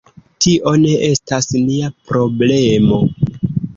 Tio ne estas nia problemo.